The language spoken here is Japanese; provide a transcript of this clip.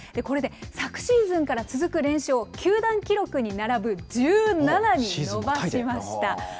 これで昨シーズンから続く連勝を球団記録に並ぶ１７に伸ばしました。